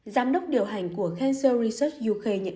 giám đốc điều hành của cancer research uk nhận định rằng